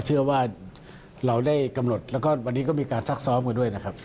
เชื่อว่าเราได้กำหนดแล้วก็วันนี้ก็มีการซักซ้อมกันด้วยนะครับ